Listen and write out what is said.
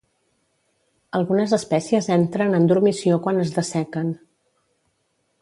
Algunes espècies entren en dormició quan es dessequen.